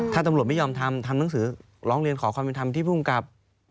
ถ้าตำรวจไม่ยอมทำทำหนังสือร้องเรียนขอความเป็นธรรมที่ภูมิกับ